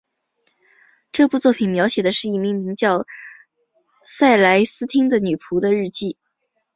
这部作品描写的是一名名叫塞莱丝汀的女仆的日记。